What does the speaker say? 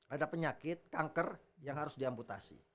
ada penyakit kanker yang harus diamputasi